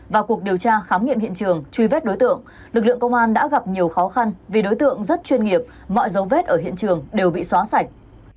vào cuộc điều tra khám nghiệm hiện trường truy vết đối tượng lực lượng công an đã gặp nhiều khó khăn vì đối tượng rất chuyên nghiệp mọi dấu vết ở hiện trường đều bị xóa sạch